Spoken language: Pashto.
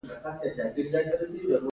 تربیه او ټریننګ هم د اهدافو یوه برخه ده.